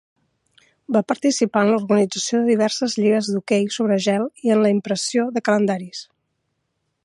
Va participar en l'organització de diverses lligues d'hoquei sobre gel i en la impressió de calendaris.